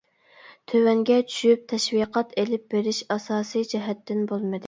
تۆۋەنگە چۈشۈپ تەشۋىقات ئېلىپ بېرىش ئاساسىي جەھەتتىن بولمىدى.